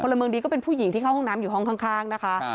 ละเมืองดีก็เป็นผู้หญิงที่เข้าห้องน้ำอยู่ห้องข้างนะคะ